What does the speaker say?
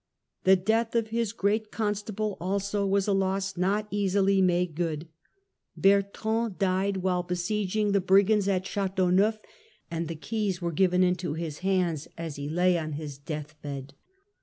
The death of his great Constable Death of also was a loss not easily made good. Bertrand died,,iij^ 154 THE END OF THE MIDDLE AGE while besieging the brigands at Chateauneuf, and the keys were given into his hands as he lay on his death bed.